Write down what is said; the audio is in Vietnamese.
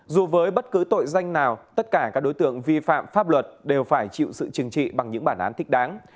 dù với bất cứ tội danh nào tất cả các đối tượng vi phạm pháp luật đều phải chịu sự chừng trị bằng những bản án thích đáng